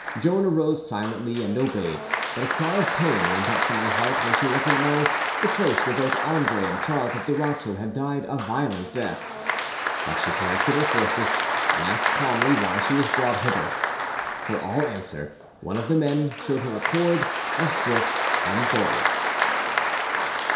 Joan arose silently and obeyed; but a cry of pain went up from her heart when she recognised the place where both Andre and Charles of Durazzo had died a violent death. But she collected her forces, and asked calmly why she was brought hither. For all answer, one of the men showed her a cord of silk and gold....